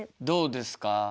どうですか？